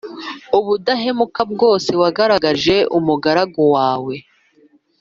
ubudahemuka bwose wagaragarije umugaragu wawe